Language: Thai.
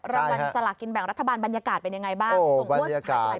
รำรันสละกินแบบรัฐบาลบรรยากาศเป็นอย่างไรบ้าง